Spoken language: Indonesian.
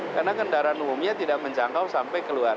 karena kendaraan umumnya tidak menjangkau sampai keluar